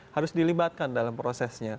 harus dilibatkan dalam prosesnya